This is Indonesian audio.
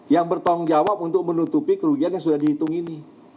yang bertanggung jawab untuk menutupi kerugian yang sudah dihitung ini